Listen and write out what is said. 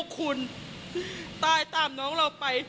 คุณตายตามน้องเราไป